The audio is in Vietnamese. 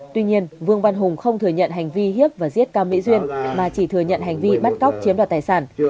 tuy nhiên vương văn hùng không thừa nhận hành vi hiếp và giết cam mỹ duyên mà chỉ thừa nhận hành vi bắt cóc chiếm đoạt tài sản